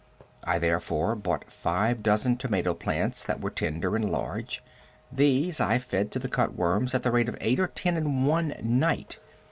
I therefore bought five dozen tomato plants that were tender and large. These I fed to the cut worms at the rate of eight or ten in one night.